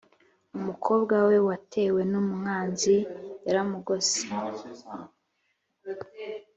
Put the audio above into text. umukobwa we watewe n’umwanzi yaramugose